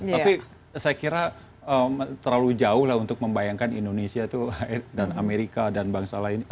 tapi saya kira terlalu jauh lah untuk membayangkan indonesia itu dan amerika dan bangsa lain